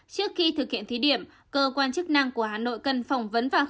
trước khi thực hiện thí điểm cơ quan chức năng của hà nội cần phỏng vấn và khảo sát